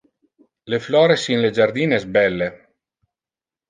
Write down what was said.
Le flores in le jardin es belle.